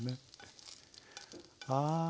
ああ。